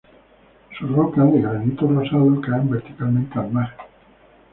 Sus rocas de granito rosado caen verticalmente al mar.